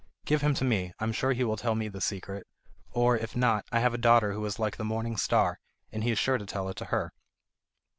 "Give him to me, I'm sure he will tell me the secret; or, if not, I have a daughter who is like the Morning Star, and he is sure to tell it to her."